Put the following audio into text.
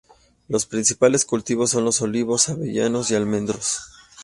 Los principales cultivos son los olivos, avellanos y almendros.